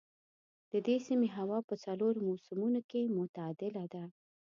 د دې سيمې هوا په څلورو موسمونو کې معتدله ده.